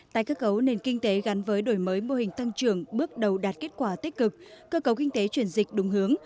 tài cơ cấu nền kinh tế gắn với đổi mới mô hình tăng trưởng bước đầu đạt kết quả tích cực cơ cấu kinh tế chuyển dịch đúng hướng